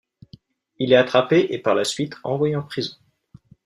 Il est attrapé et par la suite envoyé en prison.